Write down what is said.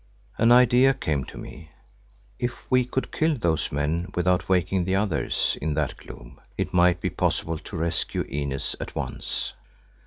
An idea came to me. If we could kill those men without waking the others in that gloom, it might be possible to rescue Inez at once.